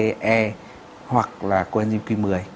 vitamin a vitamin c e hoặc là coenzyme q một mươi